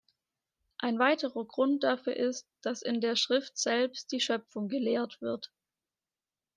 Ein weiterer Grund dafür ist, dass in der Schrift selbst die Schöpfung gelehrt wird.